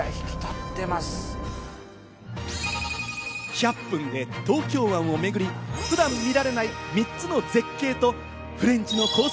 １００分で東京湾を巡り、普段見られない３つの絶景とフレンチのコース